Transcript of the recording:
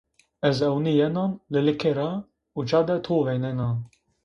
Ez ewniyenan lılike ra uca de to vênenan.